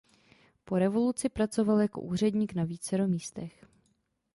Po revoluci pracoval jako úředník na vícero místech.